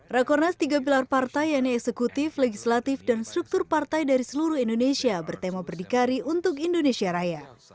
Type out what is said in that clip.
rakornas tiga pilar partai yaitu eksekutif legislatif dan struktur partai dari seluruh indonesia bertema berdikari untuk indonesia raya